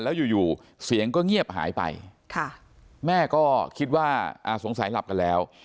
แล้วอยู่เสียงก็เงียบหายไปแม่ก็คิดว่าสงสัยหลับกันแล้ว